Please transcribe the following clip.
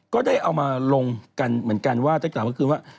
ก็ได้เอามาลงกันเหมือนกันว่าจะกลับมาคือว่า